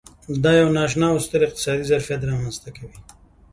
دا یو نا اشنا او ستر اقتصادي ظرفیت رامنځته کوي.